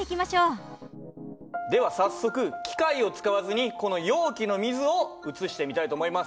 では早速機械を使わずにこの容器の水を移してみたいと思います。